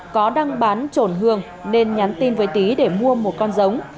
nó đang bán trồn hương nên nhắn tin với tí để mua một con giống